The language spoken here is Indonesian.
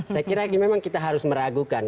saya kira memang kita harus meragukan